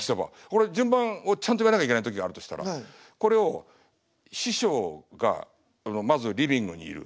これ順番をちゃんと言わなきゃいけない時があるとしたらこれを師匠がまずリビングにいる。